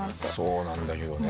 そうなんだけどね。